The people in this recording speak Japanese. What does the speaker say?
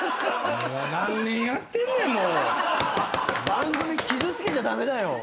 番組傷つけちゃ駄目だよ。